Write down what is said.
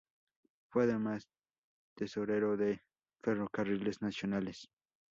Fue además tesorero de Ferrocarriles Nacionales.